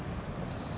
saya manusia politik ya